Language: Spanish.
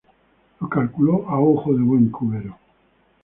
Lo calculó a ojo de buen cubero